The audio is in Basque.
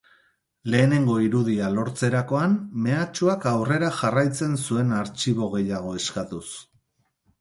Lehenengo irudia lortzerakoan, mehatxuak aurrera jarraitzen zuen artxibo gehiago eskatuz.